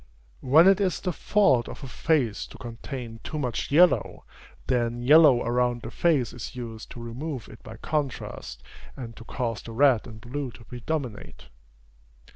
When it is the fault of a face to contain too much yellow, then yellow around the face is used to remove it by contrast, and to cause the red and blue to predominate.